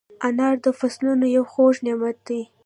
انار د فصلونو یو خوږ نعمت دی.